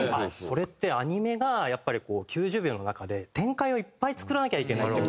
それってアニメがやっぱり９０秒の中で展開をいっぱい作らなきゃいけないっていう文化も。